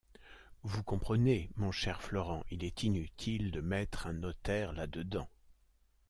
Vous comprenez, mon cher Florent, il est inutile de mettre un notaire là-dedans.